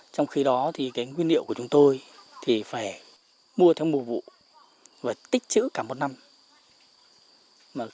trong khi đó thì cái nguyên liệu của chúng tôi thì phải mua theo mùa vụ và tích chữ cả một năm